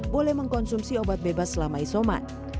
boleh mengkonsumsi obat bebas selama isoman